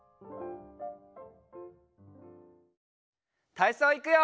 たいそういくよ！